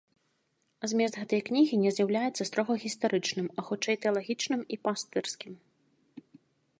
Змест гэтай кнігі не з'яўляецца строга гістарычным, а хутчэй тэалагічным і пастырскім.